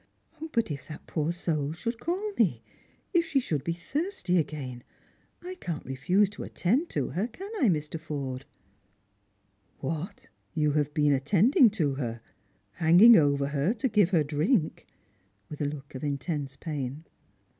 * 312 Strangers and Pilgrims. " But if that poor soul should call me, if she should be thirsty again, I can't refuse to attend to her, can I, Mr. Forde? "" What, you have been attending to her — hanging over her to give her drink ?" with a look of intense pain.